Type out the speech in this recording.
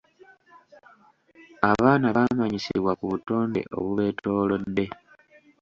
Abaana bamanyisibwa ku butonde obubeetoolodde.